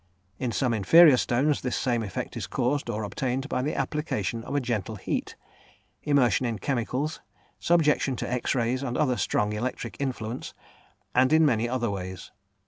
In some inferior stones this same effect is caused or obtained by the application of a gentle heat, immersion in chemicals, subjection to "X rays" and other strong electric influence, and in many other ways.